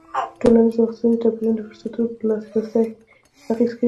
ټولنیز او اقتصادي توپیرونه د فرصتونو پر لاسرسی اغېز کوي.